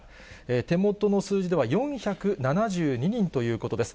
手元の数字では４７２人ということです。